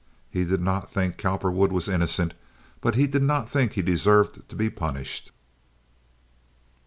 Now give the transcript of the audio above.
He did not think Cowperwood was innocent, but he did not think he deserved to be punished.